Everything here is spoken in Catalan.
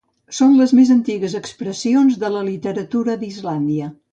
Són les més antigues expressions de la literatura d'Islàndia.